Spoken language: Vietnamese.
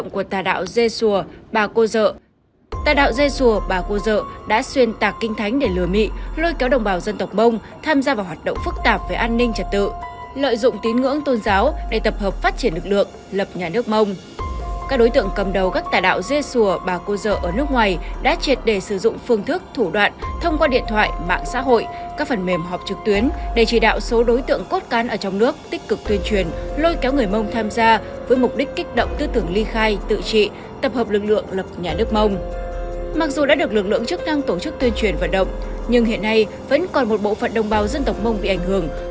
các đối tượng cầm đầu các tài đạo dê sùa bà cô dở ở nước ngoài đã triệt đề sử dụng phương thức thủ đoạn thông qua điện thoại mạng xã hội các phần mềm họp trực tuyến để chỉ đạo số đối tượng cốt cán ở trong nước tích cực tuyên truyền lôi kéo người mông tham gia với mục đích kích động tư tưởng ly khai tự trị tập hợp lực lượng lập nhà nước mông